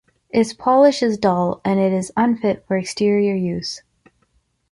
Its polish is dull and it is unfit for exterior use.